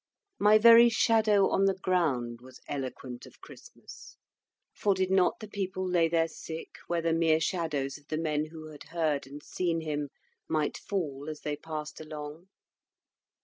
My very shadow on the ground was eloquent of Christmas; for did not the people lay their sick where the more shadows of the men who had heard and seen him might fall as they passed along?